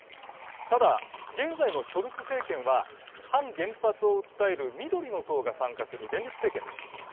ただ、現在のショルツ政権は反原発を訴える緑の党が参加する連立政権です。